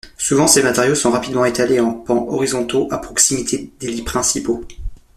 Souvent ces matériaux sont rapidement étalés en plans horizontaux à proximité des lits principaux.